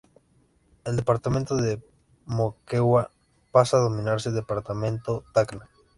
El Departamento de Moquegua, pasa a denominarse Departamento Tacna.